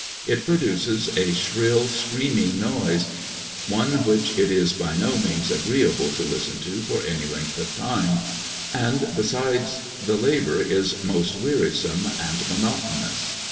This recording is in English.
It produces a shrill screaming noise, one which it is by no means agreeable to listen to for any length of time; and besides the labour is most wearisome and monotonous.